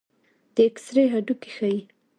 د ایکس رې هډوکي ښيي.